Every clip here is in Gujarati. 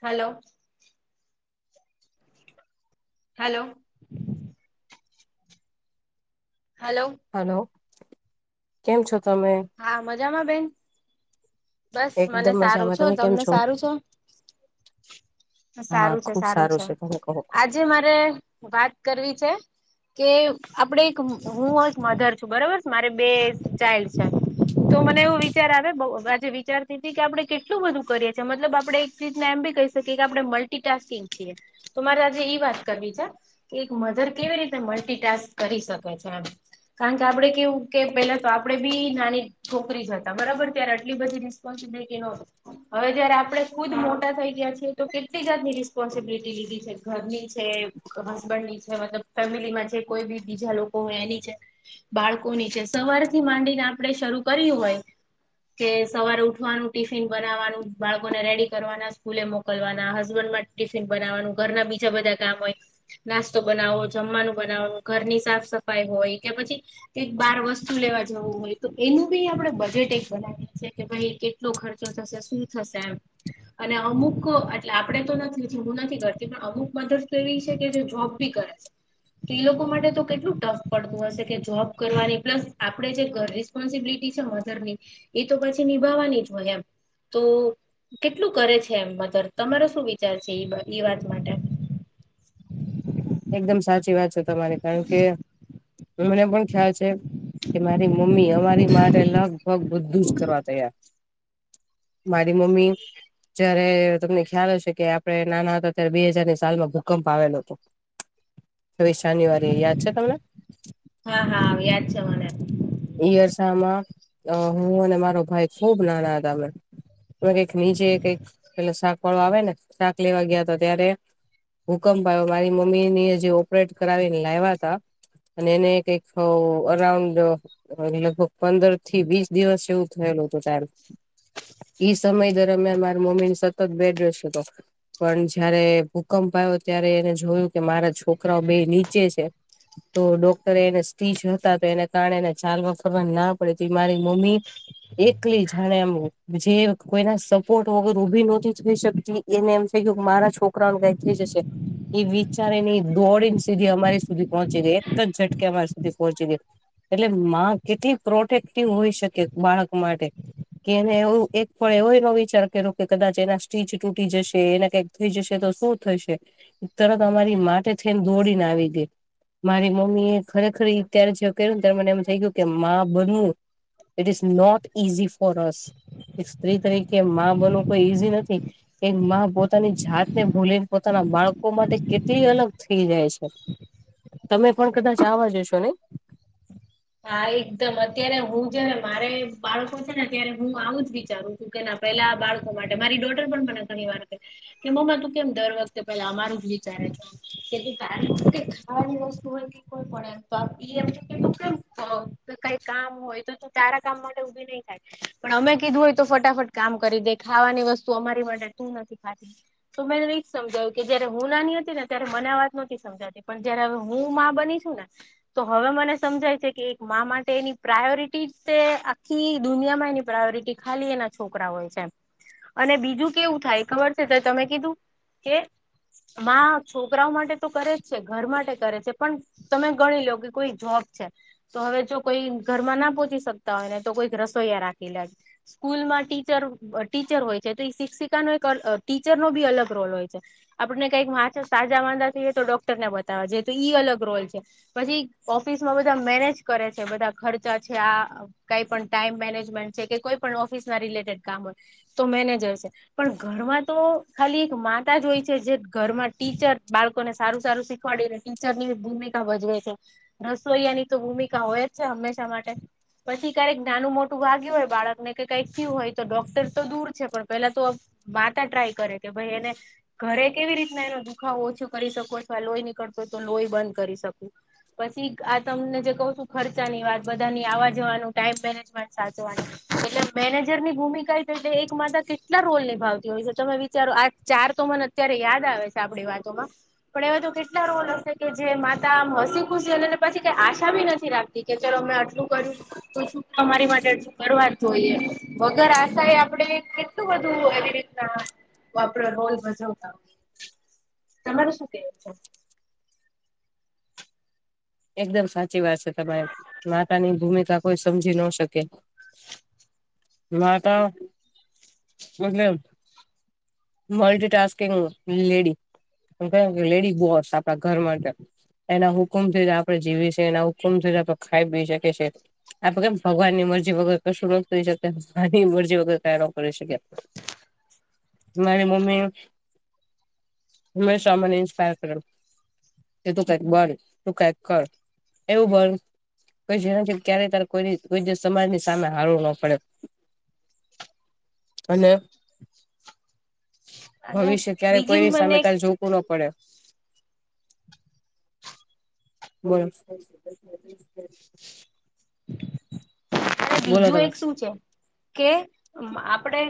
હલો હલો હલો હલો કેમ છો તમે હા મજામાં બેન બસ મને એકદમ સારું મજામાં છો તમે કેમ તમને સારું છે હા સારું છે ખુબ સારું છે તમે કહો આજે મારે વાત કરવી છે કે આપણે એક હું એક મધર છું બરોબર મારે બે ચાઇલ્ડ છે તો મને એવું વિચાર આવ્યો બહુ આજે વિચારતી હતી કે આપણે કેટલું બધું કરીએ છીએ મતલબ આપણેે [unintelligible] એમ બી કહી શકીએ કે આપણે મલ્ટિટાસ્કિંગ છીએ તો મારે આજે ઈ વાત કરવી છે કે એક મધર કેવી રીતે મલ્ટીટાસ્ક કરી શકે છે એમ કારણ કે આપણે કેવું કે પેલા તો આપણે બી નાની છોકરી જ હતા બરાબર ત્યારે આટલી બધી રિસ્પોન્સિબિલિટી નોતી હવે જયારે આપણે ખુદ મોટા થઇ ગયા છીએ તો કેટલી જાતની રિસ્પોન્સિબિલિટી લીધી છે ઘરની છે હસબન્ડ ની છે મતલબ ફેમિલીમાં જે કોઈ બી બીજા લોકો હોય એની છે બાળકોની છે સવારથી માંડીને આપણે શરૂ કરીયું હોય કે સવારે ઉઠવાનું ટિફિન બનાવવાનું બાળકોને રેડી કરવાના સ્કૂલે મોકલવાના હસબન્ડ મા ટિફિન બનાવવાનું ઘરના બીજા બધા કામ હોય નાસ્તો બનાવો જમવાનું બનાવો ઘરની સાફ સફાઈ હોય કે પછી કંઈક બાર વસ્તુ લેવા જવું હોય તો એનું બી આપણે બજેટ એક બનાવીએ છીએ કે ભાઈ કેટલો ખર્ચો થશે શું થશે એમ અને અમુક એટલે આપણેે તો નથી જ હું નથી કરતી પણ અમુક મધર્સ તો એવી છે કે જે જોબ બી કરે છે તો ઈ લોકો માટે તો કેટલું ટફ પડતું હશે કે જોબ કરવાની પ્લસ આપણે જે ઘરે રીસ રિસ્પોન્સિબિલિટી છે મધર ની એ તો પછી નિભાવવાની જ હોય એમ તો કેટલું કરે છે એમ મધર તમારો શું વિચાર છે ઈ બા ઈ વાત માટે એકદમ સાચી વાત છે તમારી કારણ કે મને પણ ખ્યાલ છે કે મારી મમ્મી અમારી માટે લગભગ બધું જ કરવા તૈયાર મારી મમ્મી જયારે તમને ખ્યાલ હશે કે આપણે નાના હતા ત્યારે બે હજારની સાલમાં ભૂકંપ આવેલો હતો છવ્વીસ જાન્યુઆરીએ યાદ છે તમને હા હા યાદ છે મને ઈયર્સામાં હું અને મારો ભાઈ ખુબ નાના હતા અમે ઓલું કઈક નીચે કઈક પેલા શાક શાક વાળો આવે ને શાક લેવા ગયા તો ત્યારે ભૂકંપ આવ્યો મારી મમ્મી ની જે ઓપરેટ કરાવીને લાવ્યા તા અને એને કંઈક અ અરાઉન્ડ અને લગભગ પંદર થી વીસ દિવસ જેવું થયેલું હતું કાલ ઈ સમય દરમિયાન મારી મમ્મી ને સતત બેડરેસ્ટ ઉપર પણ જયારે ભૂકંપ આયો ત્યારે એને જોયું કે મારા છોકરાઓ બે નીચે છે તો ડોક્ટરે એને સ્ટીજ હતા તો એને કારણે એને ચાલવા ફરવાનું ના પડે તો મારી મમ્મી એકલી જાણે એમ જે કોઈના સપોર્ટ વગર ઉભી નહોતી થઈ શકતી એને એમ થઈ ગયું કે મારા છોકરાઓને કઈ જશે ઈ બી ચાલી ને ઈ દોડી ને સુધી અમારી સુધી પહોંચી ગઈ એક જ ઝટકે અમારી સુધી પહોંચી ગઈ એટલે માં કેટલી પ્રોટેક્ટિવ હોય શકે એક બાળક માટે કે એને એવું એક પળ એવો એનો વિચાર કર્યો કે કદાચ એના સ્ટીચ તૂટી જશે એને કંઈક થઈ જશે દોસ્તો તો થઈ જશે તરત અમારી માટે થઈને દોડીને આવી ગઈ. મારી મમ્મી એ ખરેખર ત્યારે જે ક્યુંને ત્યારે મને એમ થઇ ગયું માં બનવું. It is not easy for રસ એક સ્ત્રી તરીકે માં બનવું કોઈ ઈઝી નથી. એક માં પોતાની જાત ને ભૂલીને પોતાના બાળકો માટે, કેટલી અલગ થઈ જાય છે, તમે પણ કદાચ એવા જ જશો હા એકદમ અત્યારે હું જયારે મારે બાળકો છે, ને ત્યારે હું આવું જ વિચારું. શકે ના પેલા બાળકો માટે મારી ડોટર પણ મને ઘણી વાર કે મમ્મી તું કેમ દર વખતે પેલા અમારું જ વિચારે છે, કે બાડી ખાવાલી વસ્તુ હોય કે કોઈ પડે તો મકે, હું કંઈ કામ હોય તો તું તારા કામ માટે ઉભી નહી થાય, પણ અમે કીધું હોય તો ફટાફટ કામ કરી દે ખાવાની વસ્તુ અમારી માટે તું નથી ખાતી. તો મેંને એજ સમજાયું કે જયારે હુ નાની હતી ને ત્યારે મને આ વાત નથી તી, પણ જયારે હું માં બની છું, ને તો હવે મને સમજાય છે. કે કે મા માટે એની પ્રાયોરિટી છે. આખી દુનિયામાં એની પ્રાયોરિટી ખાલી એના, છોકરા હોય છે, અને બીજું કેવું થાય ખબર છે, તો તમે કીધું કે માં છોકરાઓ માટે તો કરે જ છે, ઘર માટે કરે છે, પણ તમે ગણી લો કે કોઈ જોબ છે, તો હવે જો કોઈ ઘરમાંના પહોંચી શકતા હોય ને તો કોઈક રસોઈયા રાખી લેજો. સ્કૂલમાં ટીચર ટીચર હોય છે, તો એ શિક્ષિકાનો એક ટીચરનો ભી અલગ રોલ હોય છે. આપણે કંઈક વાંચો સાજા માંદા થઈએ તો ડોક્ટર ને બતાવવા જતો ઈ અલગ રોલ છે. પછી ઓફિસમાં બધા મેનેજ કરે છે, બધા ખર્ચા છે. આ કંઈ પણ ટાઈમ મેનેજ મેન્ટ છે, કે કોઈ પણ ઓફિસ ના રિલેટેડ કામ હોય તો મેનેજર છે. પણ ઘરમાં તો ખાલી એક માંદા જ હોય છે, જે ઘરમાં ટીચર બાળકોને સારું સારું શીખવાડી રહે છે. ટીચરની ભૂમિકા ભજવે છે, રસોઈયાની તો ભૂમિકા હોય જ છે, હંમેશા માટે પછી ક્યારેક નાનું મોટું વાગ્યું હોય બાળકને કે કંઈક થયું હોય તો ડોક્ટર તો દૂર છે, પણ પેલા તો. માતા ટ્રાય કરે કે ભાઈ એને, ઘરે કેવી રીતના એનો દુખાવો ઓછો કરી શકું અથવા લોહી નીકળતો હોય તો લોહી બંધ કરી શકું, પછી આ તમને જે કહું છું. ખર્ચાની વાત બધાની આવવા જવાનું ટાઈમ મેનેજ મેન્ટ સાચવાનું, એટલે મેનેજરની ભૂમિકા એતો એટલે એક માતા કેટલા રોલ હોય છે, તમે વિચારો આ ચારતોમાં નથી. અત્યારે યાદ આવે છે, આપણી વાતોમાં પણ એવા તો કેટલા રોલ હશે. કે કે જે માતા હસી ખુશી કે પછી કઈ આશા ભી નથી રાખતી કે ચલો આટલું, કરું તો શું તમારી માટે, કરવા જોઈએ વગર આશાએ આપડે કેટલું બધું આવી જ રીતના. વાપરો રોન ભજવતા હો તમાર શું કેવું છે. એકદમ સાચી વાત છે તમારે માતાની ભૂમિકા કોઈ સમજી ન શકે, નાટ..... બદલે, મલ્ટીટાસ્કિંગ.. લેડી, ક કે લેડી બસ આપણા ઘર એના હુકમથી, આપ જીવી છે, એના હુકમ ખાઈપી શકે છે. આપણે કે ભગવાનની મરજી વગર કશું ન કરી શકે માની મરજી વગર કાઈનો કરી શકે. મારી મમ્મી... હંમેશ માટે ઈન્સ્પાયર કરેલ.. કે તું કઈક બંધ તું કંઈ, કર.. એવું બને. કોઈ જે છે, ક્યારેય ત્યારે કોઈ કોઈ સમાજની સામે હારવું ન પડે. અને [inaudible] અને ભવિષ્ય ક્યારે બીજી કોઈની મને સામે એક તારે જોવું ના પડે. [unintelligible] [inaudible] [inaudible] બોલો બીજું તમે એક શું છે, કે આપડે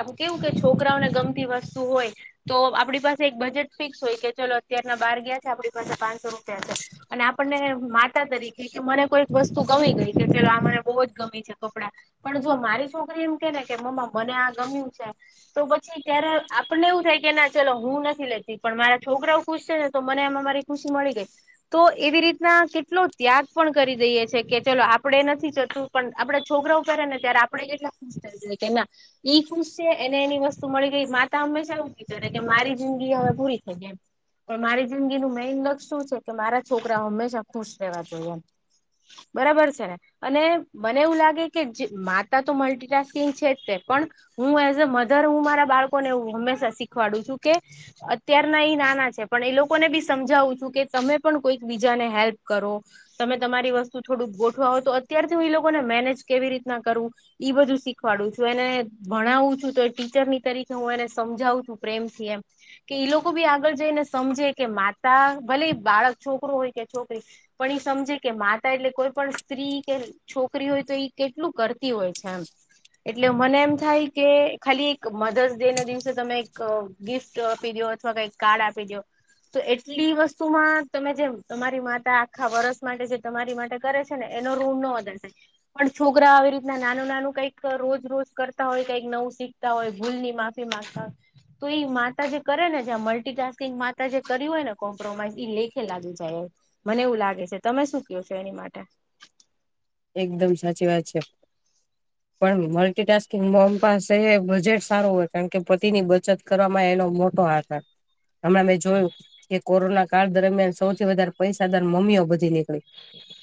આમ કેવું કે છોકરાઓને ગમતી વસ્તુ હોય, તો આપણી પાસે એક બજેટ ફિક્સ હોય કે ચાલો અત્યારના બાર ગયા છે આપણી પાસે પાંચસો રૂપિયા છે. અને આપણને માતા તરીકે કે મને કોઈક વસ્તુ ગમી ગઈ કે આ મને બહુ જ ગમી છે કપડા પણ જો મારી છોકરી એમ કે ને કે મમ્મા મને આ ગમ્યું છે. તો પછી ત્યારે આપણને એવું થાય કે ના ચલો હું નથી લેતી પણ મારા છોકરાઓ ખુશ છે ને તો મને આમાં મારી ખુશી મળી ગઈ. તો એવી રીતના કેટલો ત્યાગ પણ કરી દઈએ છે કે ચલો આપડે નથી જતું. પણ આપડા છોકરાઓ પહેરેને ત્યારે આપડે કેટલા ખુશ થઈ જઈએ કે ના ઈ ખુશ છે એને એની વસ્તુ મળી ગઈ. માતા હંમેશા એવું વિચારે કે મારી જિંદગી હવે પૂરી થઈ ગઈ એમ. પણ મારી જિંદગીનું મેઈન લક્ષ્ય શું છે કે મારા છોકરા હંમેશા ખુશ રહેવા જોઈએ એમ. બરાબર છે ને અને મને એવું લાગે કે માતા તો મલ્ટિટાસ્કિંગ છે જ તે પણ હું એઝ અ મધર હું મારા બાળકો ને હું હંમેશા શીખવાડું છું કે અત્યારના એ નાના છે પણ એ લોકોને બી સમજાવું છું કે તમે પણ કોઈક બીજાને હેલ્પ કરો. તમે તમારી વસ્તુ થોડુંક ગોઠવાવો તો અત્યારથી હું ઈ લોકોને મેનેજ કેવી રીતના કરવું. ઈ બધું શીખવાડું છું એને ભણાવું છું તોય ટીચરની તરીકે હું એને સમજાવું છું પ્રેમથી એમ. કે એ લોકો બી આગળ જઈને સમજે કે માતા ભલે ઈ બાળક છોકરો હોય કે છોકરી પણ ઈ સમજે કે માતા એટલે કોઈ પણ સ્ત્રી કે છોકરી હોય તો ઈ કેટલું કરતી હોય છે એમ. એટલે મને એમ થાય કે ખાલી એક મધર્સ ડેના દિવસે તમે એક ગિફ્ટ આપી દો અથવા કઈક કાર્ડ આપી દો. તો એટલી વસ્તુમાં તમે જે તમારી માતા આખા વરસ માટે જે તમારી માટે- -કરે છે ને એનો ઋણ નો [unintelligible] પણ છોકરા આવી રીતના નાનું નાનું કઈક રોજ રોજ કરતા હોય કઈક નવું શીખતા હોય ભૂલની મા- -ફી માંગતા હોય. તો ઈ માતા જે કરે ને જ્યાં મલ્ટિટાસ્કિંગ માતા જે કર્યું હોયને કોમ્પ્રોમાઈઝ એ લેખે લાગી જાય એમ. મને એવું લાગે છે તમે શું ક્યું છો એની માટે? એકદમ સાચી વાત છે પણ મલ્ટીટાસ્ક- કે મમ પાસે બજેટ સારું હોય કારણ કે પતિની બચત કરવામાં એનો મોટો હાથ [unintelligible] હમણાં મે જોયું. કે કોરોના કાળ દરમિયાન સૌથી વધારે પૈસાદાર મમ્મીઓ બધી નીકળી.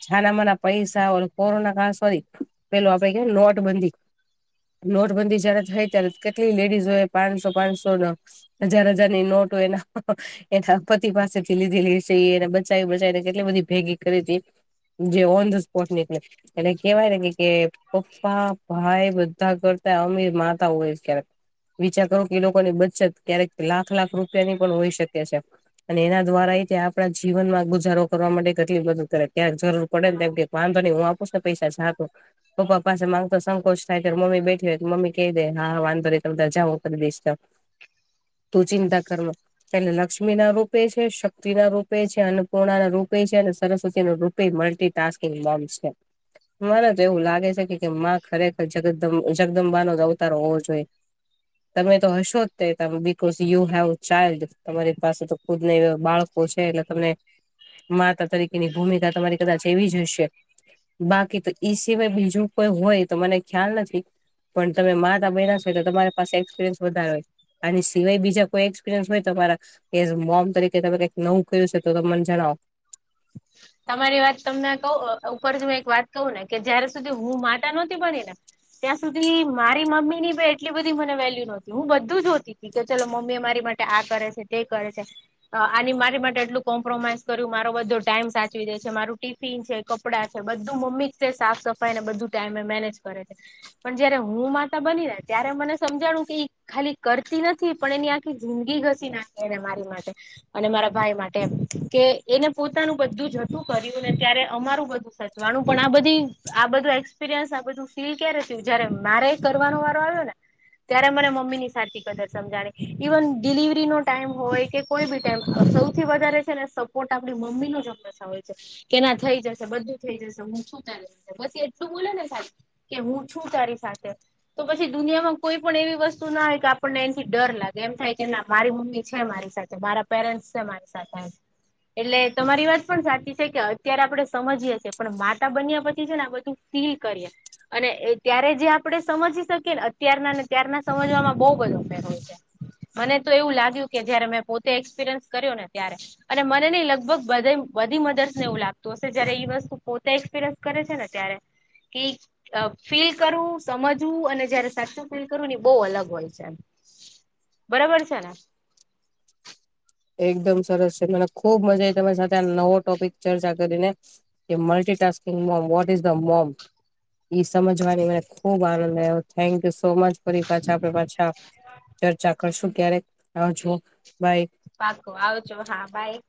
છાના માના પૈસા ઓલો કોરોનાકાળ સોરી પેલું આપડે કેને નોટબંધી. નોટબંધી જયારે થઈ ત્યારે કેટલી લેડીઝ એ પાંચસો પાંચસો હજાર હજાર નોટો હોય [unintelligible] એના પતિ પાસેથી લીધેલી હશે ઈ એણે બચાવી બચાવીને કેટલી બધી ભેગી કરીતી જે ઓન ધ સ્પોટ ને [unintelligible] [inaudible] એટલે કેવાય ને કે કે પપ્પા, ભાઈ બધા કરતા અમીર માતા હોય છે ક્યારેક વિચાર કરો કે એ લોકોની બચત ક્યારેક લાખ-લાખ રૂપિયાની પણ હોઈ શકે છે. અને એના દ્વારાયતે આપણા જીવનમાં ગુજારો કરવા માટે કેટલી બધું કરે ક્યારે જરૂર પડે ને તેમ કે [unintelligible] [unintelligible] હું આપું છું ને પૈસા જા તું પપ્પા પાસે માંગતો સંકોચ થાય ત્યારે મમ્મી બેઠી હોય મમ્મી કહીદે હા હા વાંધો નહી તમે જાઓ હું કરી દઈશ. [inaudible] તું ચિંતા કરો. એટલે લક્ષ્મીના રૂપે છે, શક્તિના રૂપે છે, અન્નપૂર્ણાના રૂપે છે અને સરસ્વતીનું રૂ પે મુલ્ટિટાસ્કીંગ નામ છે. મને તો એવું લાગે છે કે કે મા ખરેખર જગદમ-જગદમબાનો જ અવતાર હોવો જોઈએ. તમે તો હશો જ તે because you have a child તમારી પાસે તો ખુદના એવા બાળકો છે એટલે તમને માતા તરીકેની ભૂમિકા તમારી કદાચ એવી જ હશે. બાકી તો ઈ સિવાય બીજું કોઈ હોય, તો મને ખ્યાલ નથી. પણ તમે માતા બન્યા છો એટલે તમારી પાસે એક્સપિરિયન્સ વધારે હોય. આની સિવાય બીજા કોઈ એક્સપિરિયન્સ હોય તમારા એસ મોમ તરીકે તમે કઈક નવું કર્યું છે તો તમે મને જણાવો. તમારી વાત તમને કહુ ઉપર એક વાતને કે, જયારે સુધી હું માતા નહોતી બનીને ત્યાં સુધી મારી મમ્મીની બી એટલી બધી મને વેલ્યુ નહોતી. હું બધું જ જોહતી. ઇ તો ચલો, મમ્મી મારી માટે આ કરે છે, તે કરે છે. આની મારી માટે એટલું કોમ્પ્રોમાઈઝ કર્યું મારો બધો ટાઈમ સા ચવી દે છે. મારું ટિફિન છે, કપડાં છે, બધું મમ્મી તે સાફ સફાઈને બધું ટાઈમે મેનેજ કરે છે. પણ જયારે હું માતા બનીને, ત્યારે મને સમજાણું કે ખાલી કરતી નથી. પણ એની આખી જિંદગી ઘસી નાખી એને મારી માટે. અને મારા ભાઈ માટે એમ કે એને પોતાનું બધું જ તું કર્યું ને, ત્યારે અમારું બધું સચવાનું પણ આ બધી આ બધું એક્સપિરિયન્સ આ બધું ફીલ ક્યારે થયુ જયારે મારે કરવાનો વારો આવ્યોને ત્યારે મને મમ્મીની સાચી કદર સમજાણી ઇવન ડિલિવરીનો ટાઈમ હોય કે કોઈ બી ટાઈમ સૌથી વધારે છે ને સપોર્ટ આપણી મમ્મીનો જ હંમેશા હોય. કેના થઈ જશે બધું થઈ જશે. હું છું ને પછી એટલું બોલેને ખાલી કે હું છું તારી સાથે. તો પછી દુનિયામાં કોઈ પણ એવી વસ્તુના હોય કે આપણને એથી ડર લાગે, એમ થાય કે મારી મમ્મી છે મારી સાથે મારા પેરેન્ટ્સ છે મારી સાથે એમ એટલે તમારી વાત પણ સાચી કે અત્યારે આપણે સમજીએ છે પણ માતા બન્યા પછી છે ને આ બધું ફીલ કરીએ. અને ત્યારે જે સમજી શકીએ ને, અત્યારનાને ત્યારના સમજવામાં બહુ બધો ફે [inaudible] મને તો એવું લાગ્યું કે જયારે મેં પોતે એક્સપિરિયન્સ કર્યોને ત્યારે અને મને નય લગભગ બધી મ મધર્સ ને એવું લાગતું હશે. જયારે એ વસ્તુ પોતે એક્સપિરિયન્સ કરે છે ને ત્યારે કે ફીલ કરવું સમજવું અને જયારે સાચું ફીલ કરવું ને બહુ અલગ હોય છે એમ. બરાબર છે ને. એકદમ સરસ છે. મને ખુબ મજા આયી તમારી સાથે આ નવો ટોપિક ચર્ચા કરીને. એ multitasking mom what is the mom. ઈ સમજવાની મને ખુબ આનંદ આવ્યો. Thank you so much. ફરી પાછા આપણે પાછા ચર્ચા કરશું ક્યારેક આવજો બાઈ. પાકું આવજો હા બાય.